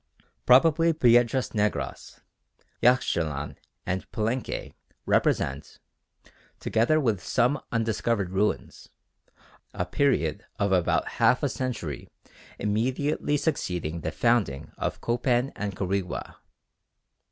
Probably Piedras Negras, Yaxchilan and Palenque represent, together with some undiscovered ruins, a period of about half a century immediately succeeding the founding of Copan and Quirigua.